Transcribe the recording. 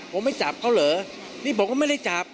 ผมไม่จับเขาเหลือนี่ผมก็ไม่ได้จับ